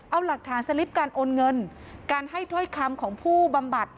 เอาหลักฐานสลิปการโอนเงินการให้ถ้อยคำของผู้บำบัด